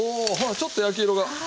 ちょっと焼き色が。